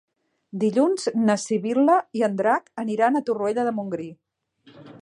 Dilluns na Sibil·la i en Drac aniran a Torroella de Montgrí.